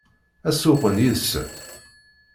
Ad sewweqen yid-sent?